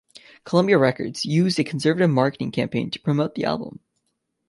Columbia Records used a conservative marketing campaign to promote the album.